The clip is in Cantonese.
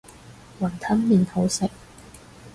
雲吞麵好食